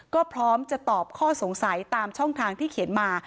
ก็พร้อมจะตอบข้อสงสัยตามช่องทางที่เขียนมา